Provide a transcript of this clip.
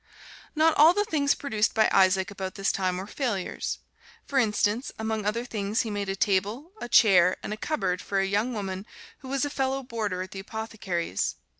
Not all the things produced by Isaac about this time were failures. For instance, among other things he made a table, a chair and a cupboard for a young woman who was a fellow boarder at the apothecary's.